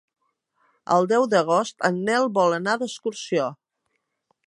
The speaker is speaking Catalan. El deu d'agost en Nel vol anar d'excursió.